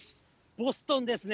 ボストンですね。